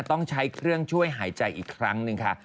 ต้องใช้เครื่องช่วยหายใจอีกครั้งหนึ่งค่ะ